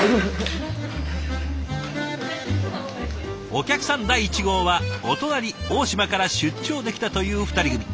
お客さん第１号はお隣大島から出張で来たという２人組。